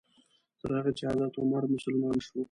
تر هغې چې حضرت عمر مسلمان شو.